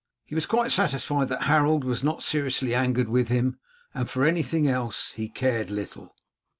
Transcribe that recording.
He was quite satisfied that Harold was not seriously angered with him, and for anything else he cared little.